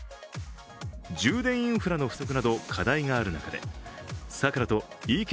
充電インフラの不足など課題がある中で、サクラとｅＫ